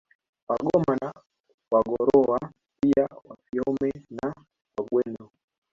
Wagoma na Wagorowa pia Wafiome na Wagweno